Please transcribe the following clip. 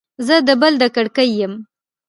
زه د بل د کرکې يم.